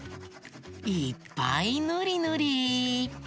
いっぱいぬりぬり！